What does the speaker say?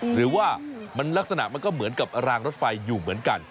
หรือว่ามันลักษณะมันก็เหมือนกับรางรถไฟอยู่เหมือนกัน